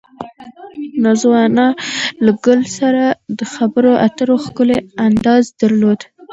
نازو انا له ګل سره د خبرو اترو ښکلی انداز درلود.